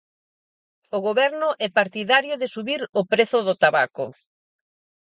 O Goberno é partidario de subir o prezo do tabaco.